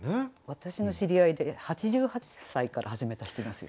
私の知り合いで８８歳から始めた人いますよ。